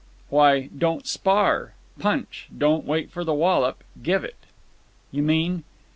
"Why, don't spar. Punch! Don't wait for the wallop. Give it." "You mean?"